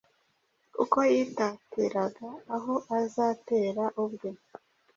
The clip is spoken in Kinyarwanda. kuko yitatiraga aho azatera ubwe.